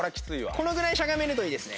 このぐらいしゃがめるといいですね。